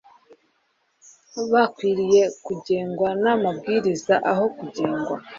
Bakwiriye kugengwa namabwiriza aho kugengwa